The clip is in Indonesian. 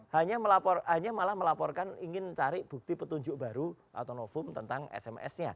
hanya malah melaporkan ingin cari bukti petunjuk baru atau novum tentang sms nya